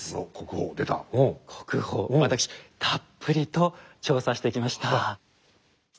わたくしたっぷりと調査してきました。